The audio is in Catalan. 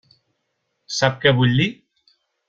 Sap què vull dir?